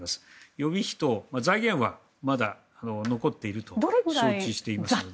予備費と財源はまだ残っていると承知していますので。